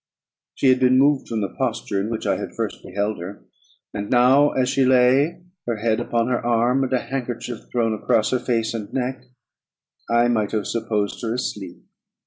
She had been moved from the posture in which I had first beheld her; and now, as she lay, her head upon her arm, and a handkerchief thrown across her face and neck, I might have supposed her asleep.